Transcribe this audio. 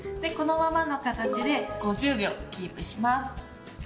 このままの形で５０秒キープします。